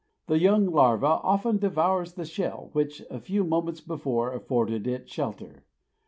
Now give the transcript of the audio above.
The young larva often devours the shell which a few moments before afforded it shelter.